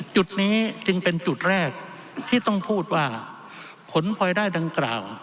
จุดนี้จึงเป็นจุดแรกที่ต้องพูดว่าผลพลอยได้ดังกล่าว